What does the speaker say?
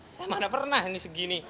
saya mana pernah ini segini